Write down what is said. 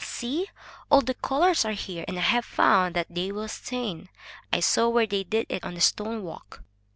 "See, all the colors are here, and I have found that they will stain. I saw where they did it on the stone walk."